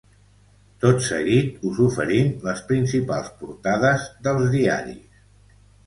Tot seguit us oferim les principals portades dels diaris.